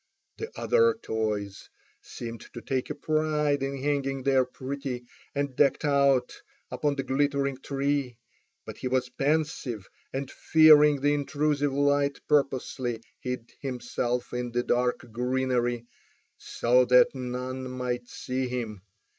The other toys seemed to take a pride in hanging there pretty, and decked out, upon the glittering tree, but he was pensive, and fearing the intrusive light purposely hid himself in the dark greenery, so that none might see him.